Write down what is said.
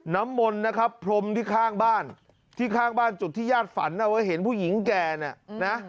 น้ำมนต์นะครับพรมที่ข้างบ้านที่ข้างบ้านจุดที่ญาติฝันเอาไว้เห็นผู้หญิงแก่เนี่ยนะ